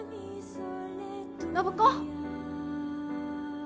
暢子！